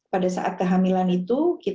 pada saat kehamilan itu